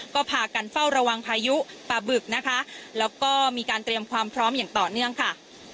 ก็พากันเฝ้าระวังพายุปลาบึกนะคะแล้วก็มีการเตรียมความพร้อมอย่างต่อเนื่องค่ะ